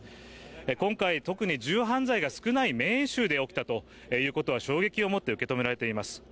今回特に銃犯罪が少ないメーン州で起きたということは、衝撃を持って受け止められています。